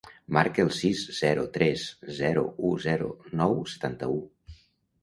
Marca el sis, zero, tres, zero, u, zero, nou, setanta-u.